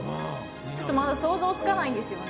ちょっとまだ想像つかないんですよね。